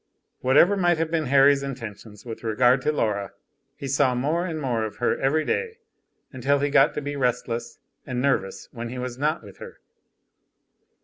Whatever might have been Harry's intentions with regard to Laura, he saw more and more of her every day, until he got to be restless and nervous when he was not with her.